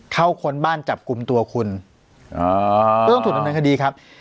เข้าคนบ้านจับกลุ่มตัวคุณอ๋อเอิ้นถูกทั้งนั้นคือดีครับ